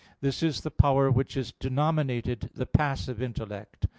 This is the power which is denominated the passive intellect.